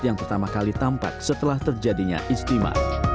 sehingga hilal tidak pernah sekali tampak setelah terjadinya ijtima